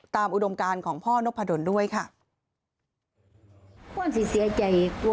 ตามอุดมการของพ่อนกพะดนด้วยค่ะ